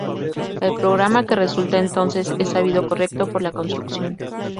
El programa que resulta entonces es sabido correcto por la construcción.